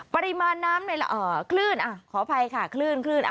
ปริมาณน้ำขออภัยค่ะคลื่น